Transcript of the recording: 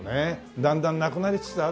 だんだんなくなりつつあるしね。